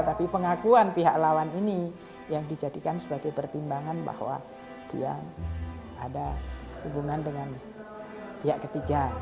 tapi pengakuan pihak lawan ini yang dijadikan sebagai pertimbangan bahwa dia ada hubungan dengan pihak ketiga